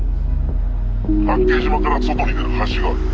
八景島から外に出る橋がある。